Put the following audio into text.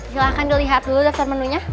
silahkan dia lihat dahulu dasar menunya